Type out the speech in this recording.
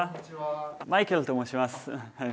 マイケルと申します。